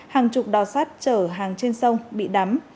hàng chục đò sắt chở hàng trên sông bị đắm